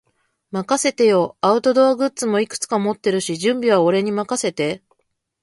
任せてよ。アウトドアグッズもいくつか持ってるし、準備は俺に任せて。